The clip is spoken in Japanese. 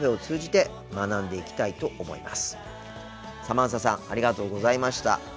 サマンサさんありがとうございました。